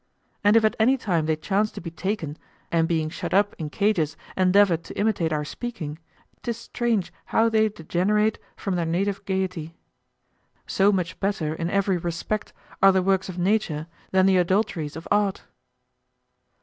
And if at anytime they chance to be taken, and being shut up in cages endeavor to imitate our speaking, 'tis strange how they degenerate from their native gaiety. So much better in every respect are the works of nature than the adulteries of art.